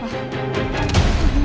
makasih ya dok